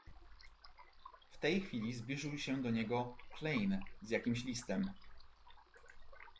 "W tej chwili zbliżył się do niego Klejn z jakimś listem."